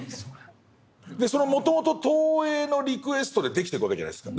それはもともと東映のリクエストで出来てくわけじゃないですか。